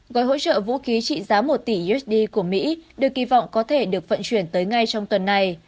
gói hỗ trợ vũ khí trị giá một tỷ usd của mỹ được kỳ vọng có thể được vận chuyển tới ngay trong tuần này